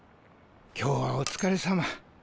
今日はお疲れさま。